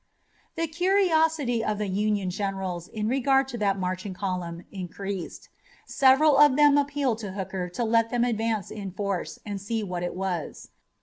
The curiosity of the Union generals in regard to that marching column increased. Several of them appealed to Hooker to let them advance in force and see what it was.